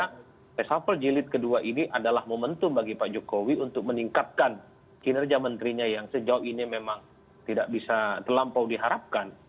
karena reshuffle jelit kedua ini adalah momentum bagi pak jokowi untuk meningkatkan kinerja menterinya yang sejauh ini memang tidak bisa terlampau diharapkan